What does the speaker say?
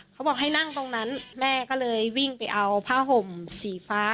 เขาบอกให้นั่งตรงนั้นแม่ก็เลยวิ่งไปเอาผ้าห่มสีฟ้า